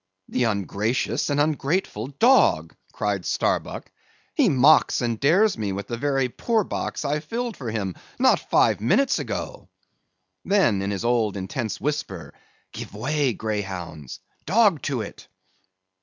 "The ungracious and ungrateful dog!" cried Starbuck; "he mocks and dares me with the very poor box I filled for him not five minutes ago!"—then in his old intense whisper—"Give way, greyhounds! Dog to it!"